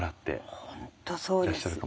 いや本当そうです。